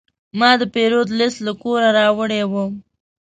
ما د پیرود لیست له کوره راوړی و.